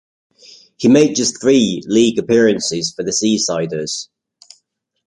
He made just three League appearances for the Seasiders.